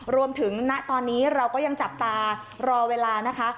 ณตอนนี้เราก็ยังจับตารอเวลานะคะ